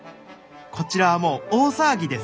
こちらはもう大騒ぎです。